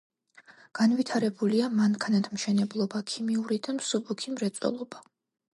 განვითარებულია მანქანათმშენებლობა, ქიმიური და მსუბუქი მრეწველობა.